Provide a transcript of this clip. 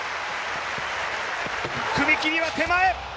踏み切りは手前。